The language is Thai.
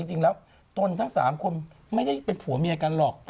จริงแล้วตนทั้ง๓คนไม่ได้เป็นผัวเมียกันหรอก